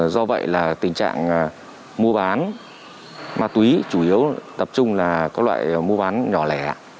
do vậy là tình trạng mua bán ma túy chủ yếu tập trung là các loại mua bán nhỏ lẻ